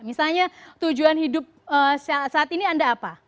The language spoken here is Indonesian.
misalnya tujuan hidup saat ini anda apa